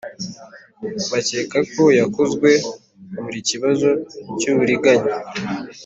Bakeka ko yakozwe buri kibazo cy uburiganya